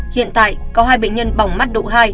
hiện tại có hai bệnh nhân bỏng mắt độ hai